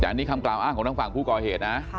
แต่อันนี้คำกล่าวอ้างของทางฝั่งผู้ก่อเหตุนะ